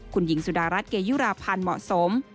คุณหญิงสุดารัฐเกยุราพันธ์เหมาะสม